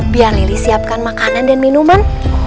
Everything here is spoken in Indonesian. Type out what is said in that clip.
biar nya iroh siapkan makanan dan minuman